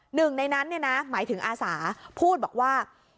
หนึ่งในนั้นเนี่ยนะหมายถึงอาสาพูดบอกว่า